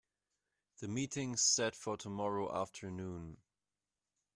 The meeting's set for tomorrow afternoon.